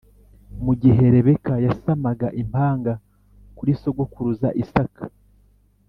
mu gihe Rebeka yasamaga impanga kuri sogokuruza Isaka